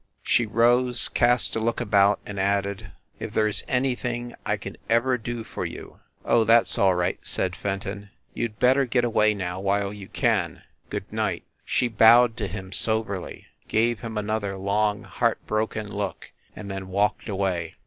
She rose, cast a look about, and added : "If there is anything I can ever do for you " "Oh, that s all right," said Fenton. "You d bet ter get away now while you can. Good night." She bowed to him soberly, gave him another long, heartbroken look, and then walked away.